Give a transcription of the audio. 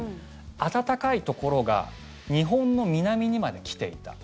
暖かいところが日本の南にまで来ていた。